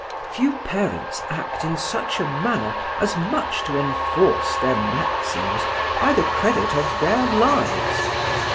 "Few parents act in such a manner as much to enforce their maxims by the credit of their lives.